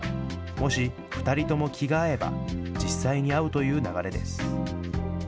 もし、２人とも気が合えば、実際に会うという流れです。